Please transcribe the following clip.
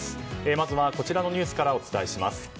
まずは、こちらのニュースからお伝えします。